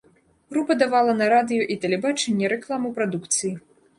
Група давала на радыё і тэлебачанне рэкламу прадукцыі.